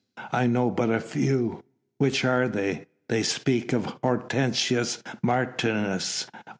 "I know but a few." "Which are they?" "They speak of Hortensius Martius."